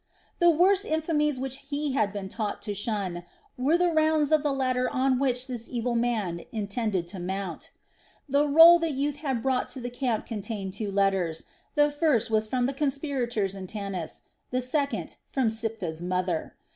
The worst infamies which he had been taught to shun were the rounds of the ladder on which this evil man intended to mount. The roll the youth had brought to the camp contained two letters. The first was from the conspirators in Tanis, the second from Siptah's mother.